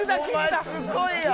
お前すごいやん！